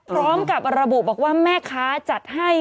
พร้อมกับระบุบอกว่าแม่ค้าจัดให้